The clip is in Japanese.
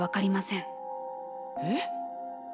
えっ？